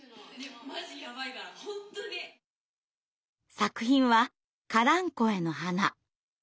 作品は「カランコエの花」。